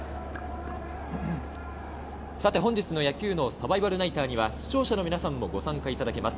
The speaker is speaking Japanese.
本日の野球脳サバイバルナイターには視聴者の皆さんもご参加いただけます。